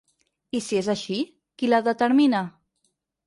I si és així, qui la determina?